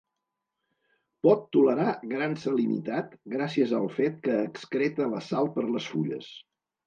Pot tolerar gran salinitat gràcies al fet que excreta la sal per les fulles.